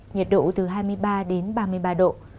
nhiệt độ từ hai mươi ba đến ba mươi ba độ